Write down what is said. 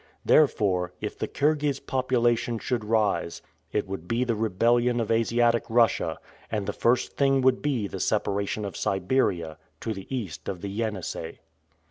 Therefore, if the Kirghiz population should rise, it would be the rebellion of Asiatic Russia, and the first thing would be the separation of Siberia, to the east of the Yenisei.